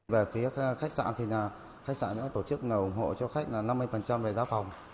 về phía khách sạn thì khách sạn đã tổ chức ủng hộ cho khách năm mươi về giá phòng